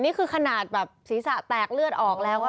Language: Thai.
นี่คือขนาดแบบศีรษะแตกเลือดออกแล้ว